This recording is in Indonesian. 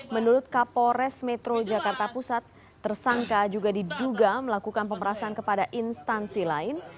menurut kapolres metro jakarta pusat tersangka juga diduga melakukan pemerasan kepada instansi lain